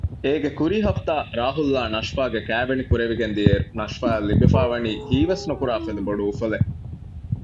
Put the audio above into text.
އޭގެ ކުރީ ހަފްތާ ރާހުލްއާ ނަޝްފާގެ ކައިވެނި ކުރެވިގެން ދިއައިރު ނަޝްފާއަށް ލިބިފައިވަނީ ހީވެސްނުކުރާ ފަދަ ބޮޑު އުފަލެއް